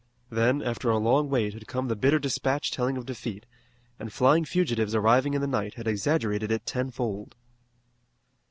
Then, after a long wait, had come the bitter despatch telling of defeat, and flying fugitives arriving in the night had exaggerated it tenfold.